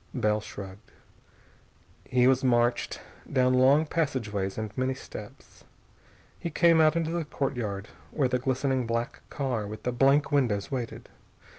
Bell shrugged. He was marched down long passageways and many steps. He came out into the courtyard, where the glistening black car with the blank windows waited.